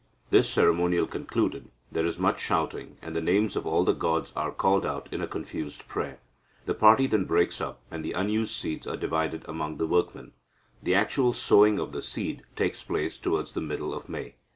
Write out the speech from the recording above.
This ceremonial concluded, there is much shouting, and the names of all the gods are called out in a confused prayer. The party then breaks up, and the unused seeds are divided among the workmen. The actual sowing of the seed takes place towards the middle of May.